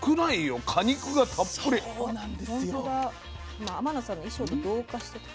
今天野さんの衣装と同化してた。